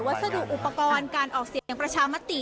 วัสดุอุปกรณ์การออกเสียงประชามติ